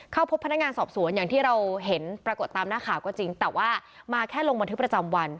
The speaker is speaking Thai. เข้าพบพนักงานสอบสวนอย่างที่เราเห็นปรากฏตามหน้าข่าวก็จริงแต่ว่ามาแค่ลงบันทึกประจำวัน